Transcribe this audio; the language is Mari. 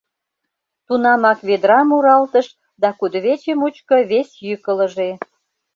Тунамак ведра муралтыш да кудывече мучко вес йӱк ылыже: